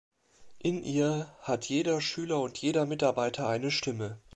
In ihr hat jeder Schüler und jeder Mitarbeiter eine Stimme.